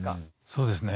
そうですね。